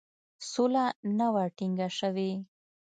سوله نه وه ټینګه شوې.